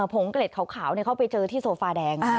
ผงเกล็ดขาวเขาไปเจอที่โซฟาแดง